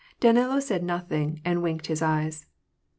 Danilo said nothing, and winked his eyes.